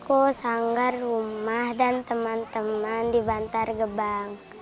aku sanggar rumah dan teman teman di bantar gebang